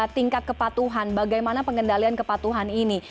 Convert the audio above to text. tingkat kepatuhan bagaimana pengendalian kepatuhan ini